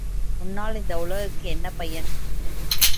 உன்னால் இந்த உலகுக்கு என்ன பயன்?